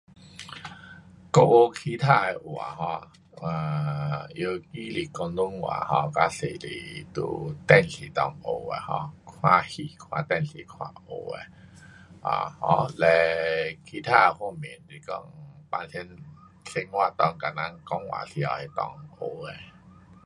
我学其他的话 um，啊尤其是广东话 um 较多是从电视内学的。um 看戏看电视，看学的。啊 um 勒其他方面是讲平常生活中跟人讲话时头要讲学的。